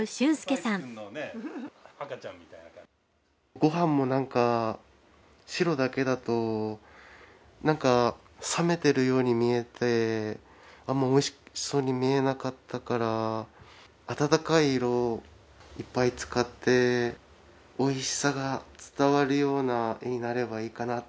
ご飯もなんか白だけだとなんか冷めてるように見えてあんまりおいしそうに見えなかったから温かい色をいっぱい使っておいしさが伝わるような絵になればいいかなと思って。